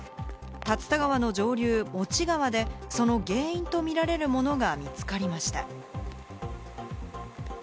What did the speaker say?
竜田川の上流、モチ川でその原因とみられるものが見つかりました。